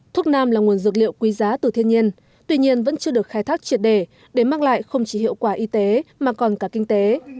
thuốc nam là nguồn dược liệu quý giá từ thiên nhiên tuy nhiên vẫn chưa được khai thác triệt đề để mang lại không chỉ hiệu quả y tế mà còn cả kinh tế